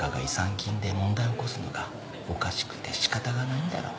金で問題を起こすのがおかしくて仕方がないんだろう。